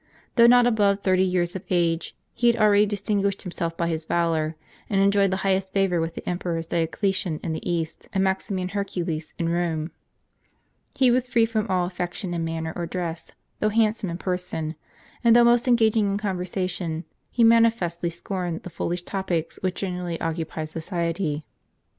Though not above thirty years of age, he had already distinguished himself by his valor, and enjoyed the highest favor with the emperors Dioclesian in the East, and Maximian Herculius in Rome, He was free from all affectation in man ner or dress, though handsome in person ; and though most engaging in conversation, he manifestly scorned the foolish topics which generally occupied society.